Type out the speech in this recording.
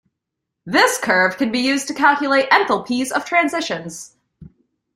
This curve can be used to calculate enthalpies of transitions.